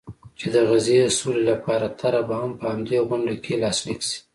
چې د غزې سولې لپاره طرحه به هم په همدې غونډه کې لاسلیک شي.